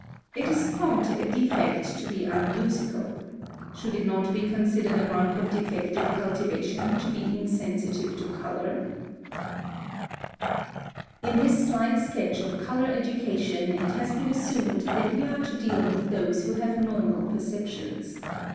It is thought a defect to be unmusical. Should it not be considered a mark of defective cultivation to be insensitive to color? (182) In this slight sketch of color education it has been assumed that we are to deal with those who have normal perceptions.